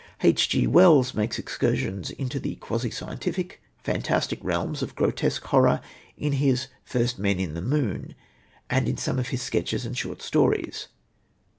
H.G. Wells makes excursions into quasi scientific, fantastic realms of grotesque horror in his First Men in the Moon, and in some of his sketches and short stories.